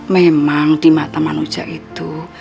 memang di mata manusia itu